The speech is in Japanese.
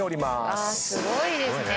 すごいですね。